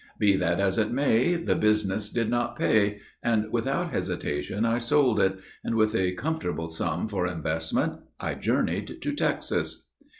Be that as it may, the business did not pay, and without hesitation I sold it; and, with a comfortable sum for investment, I journeyed to Texas.